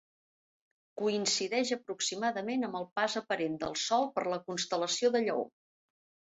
Coincideix aproximadament amb el pas aparent del Sol per la constel·lació de Lleó.